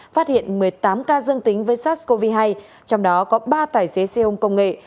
phát hiện một mươi tám ca dương tính với sars cov hai trong đó có ba tài xế xe ôm công nghệ